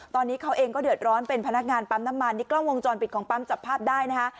ตอนนี้เขาเองก็เดือดร้อนเป็นพนักงานปั๊มน้ำมันนี่กล้องวงจรปิดของปั๊มจับภาพได้นะคะ